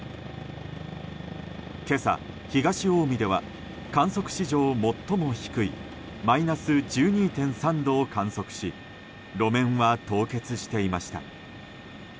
今朝、東近江では観測史上最も低いマイナス１２．３度を観測し路面は凍結していました。